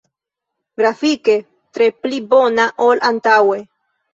Grafike tre pli bona ol antaŭe.